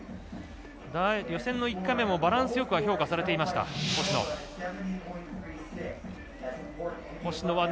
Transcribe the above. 予選の１回目もバランス力は評価されていました、星野。